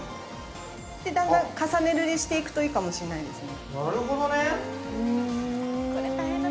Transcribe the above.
だんだん重ね塗りしていくといいかもしれないですね。